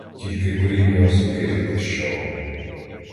Тільки коріння осоки затріщало.